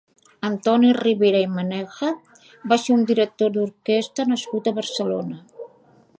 Antoni Ribera i Maneja va ser un director d'orquestra nascut a Barcelona.